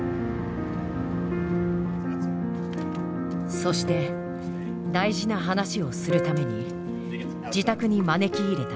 そして大事な話をするために自宅に招き入れた。